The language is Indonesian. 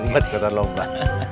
buat ikutan lomba